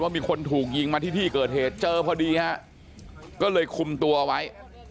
มีคนถูกยิงมาที่ที่เกิดเหตุเจอพอดีฮะก็เลยคุมตัวไว้